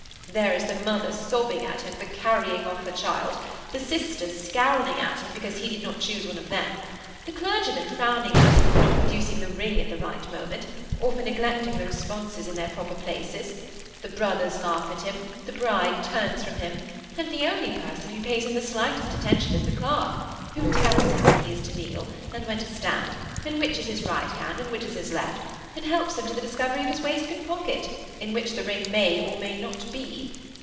There is the mother sobbing at him for carrying off her child; the sisters scowling at him because he did not choose one of them; the clergyman frowning at him for not pro* ducing the ring at the right moment, or for neglecting the responses in their proper places ; the brothers laugh at him ; the bride turns from him ; and the 62 THE SEMI ATTACHED COUPLE. only person who pays him the slightest attention is the clerk, who tells him when he is to kneel, and when to stand, and which is his right hand, and which his lefl, and helps him to the discovery of his waistcoat pocket, in which the ring may or may not be.